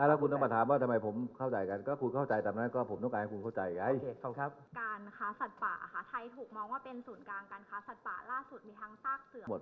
การค้าสัตว์ป่าค่ะไทยถูกมองว่าเป็นศูนย์การค้าสัตว์ป่าล่าสุดมีทางสร้างเสริม